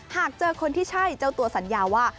หากเจอคนที่ใช่เจ้าตัวสัญญาว่า